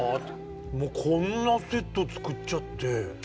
こんなセット作っちゃって。